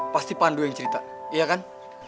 pasti pandu yang cerita iya kan